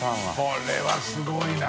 これはすごいな。